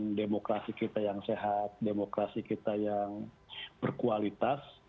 dengan demokrasi kita yang sehat demokrasi kita yang berkualitas